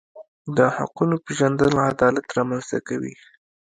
د حقونو پیژندل عدالت رامنځته کوي.